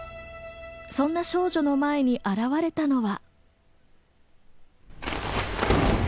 そんな少女の前に現れたのは。